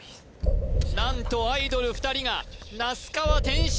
何とアイドル２人が那須川天心